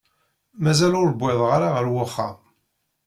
Mazal ur wwiḍeɣ ara ar wexxam.